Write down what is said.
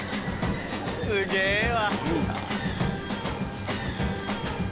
すげぇわ。